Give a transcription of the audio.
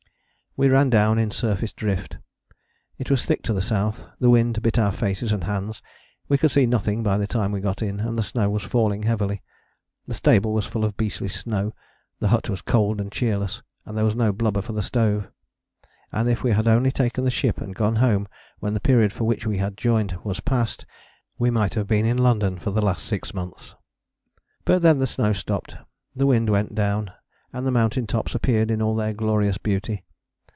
We ran down in surface drift: it was thick to the south, the wind bit our faces and hands; we could see nothing by the time we got in, and the snow was falling heavily. The stable was full of beastly snow, the hut was cold and cheerless, and there was no blubber for the stove. And if we had only taken the ship and gone home when the period for which we had joined was passed, we might have been in London for the last six months! But then the snow stopped, the wind went down, and the mountain tops appeared in all their glorious beauty.